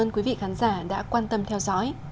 quý vị khán giả đã quan tâm theo dõi